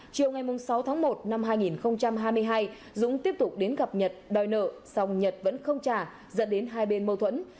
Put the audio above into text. chiều ngày sáu tháng một năm hai nghìn hai mươi hai dũng tiếp tục đến gặp nhật đòi nợ song nhật vẫn không trả dẫn đến hai bên mâu thuẫn